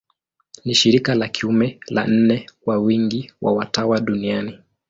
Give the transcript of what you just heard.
Ni shirika la kiume la nne kwa wingi wa watawa duniani.